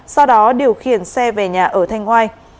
sau đó điều khiển xe về nhà ở thanh oai